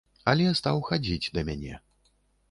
Але стаў хадзіць да мяне.